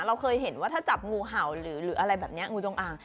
เราเคยเห็นว่าถ้าจับงูเห่าหรืออะไรแบบนี้งูจงอ่าง